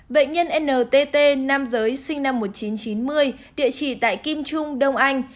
bệnh nhân ntt nam giới sinh năm một nghìn chín trăm chín mươi địa chỉ tại kim trung đông anh